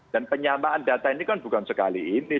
dan penyamaan data ini kan bukan sekali ini